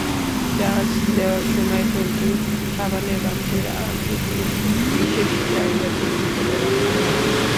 Charge দেওয়ার সময় ফোনটি সাবানের বাক্সের আকৃতির বিশেষ চার্জারটির ভেতরে রাখতে হয়।